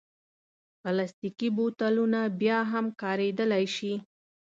پلاستيکي بوتلونه بیا هم کارېدلی شي.